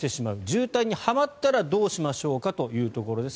渋滞にはまったらどうしましょうかというところです。